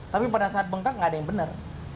tapi pada saat bengkak gak ada yang bener